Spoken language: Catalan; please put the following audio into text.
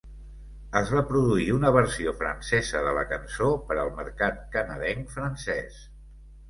Es va produir una versió francesa de la cançó per al mercat canadenc francès.